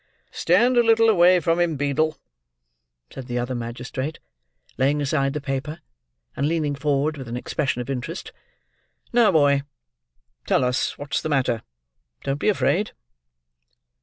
"Stand a little away from him, Beadle," said the other magistrate: laying aside the paper, and leaning forward with an expression of interest. "Now, boy, tell us what's the matter: don't be afraid."